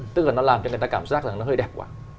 tức là nó làm cho người ta cảm giác rằng nó hơi đẹp quá